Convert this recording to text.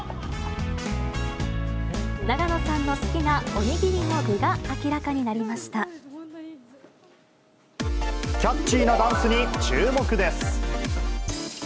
永野さんの好きなお握りの具キャッチーなダンスに注目です。